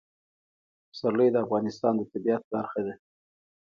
پسرلی د افغانستان د طبیعت برخه ده.